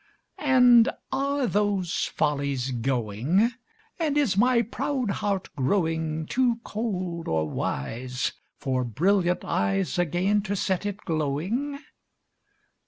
And are those follies going? And is my proud heart growing Too cold or wise For brilliant eyes Again to set it glowing?